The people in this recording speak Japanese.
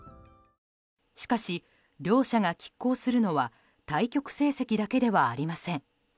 しかし、両者が拮抗するのは対局成績だけではありません。